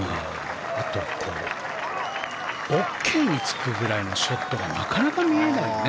ＯＫにつくぐらいのショットがなかなか見れないよね。